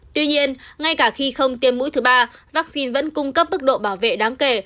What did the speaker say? tuy nhiên ngay cả khi không tiêm mũi thứ ba vaccine vẫn cung cấp mức độ bảo vệ đáng kể